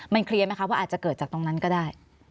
เคลียร์ไหมคะว่าอาจจะเกิดจากตรงนั้นก็ได้